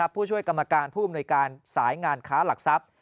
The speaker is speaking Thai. ผู้ช่วยกรรมการผู้อำนวยการสายงานค้าหลักทรัพย์